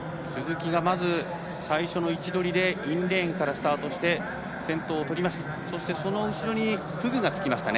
鈴木が、まず最初の位置取りでインレーンからスタートしてその後ろにフグがつきましたね。